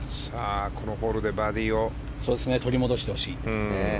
このホールでバーディーを取り戻してほしい。